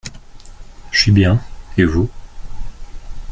Je suis bien, et vous ?